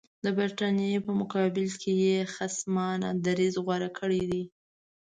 د برټانیې په مقابل کې یې خصمانه دریځ غوره کړی دی.